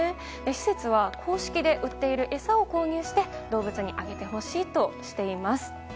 施設は公式で売っている餌を購入して動物にあげてほしいとしています。